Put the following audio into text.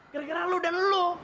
gara gara lu dan lu